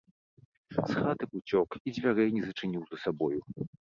З хаты б уцёк і дзвярэй не зачыніў за сабою.